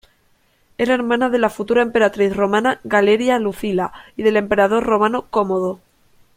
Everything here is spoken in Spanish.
Era hermana de la futura emperatriz romana Galeria Lucila y del emperador romano Cómodo.